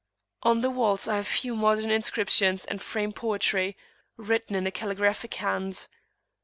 On the walls are a few modern inscriptions and framed poetry, written in a calligraphic hand.